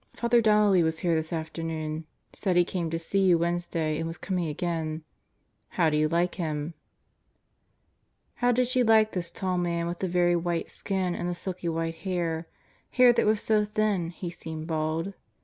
.. Father Donnelly was here this afternoon. Said he came to see you Wednesday and was coming again. How do you like him? How did she like this tall man with the very white skin and the silky white hair; hair that was so thin he seemed bald?